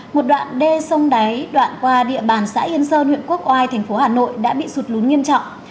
một đoạn đê sông đáy đoạn qua địa bàn xã yên sơn huyện quốc oai thành phố hà nội đã bị sụt lún nghiêm trọng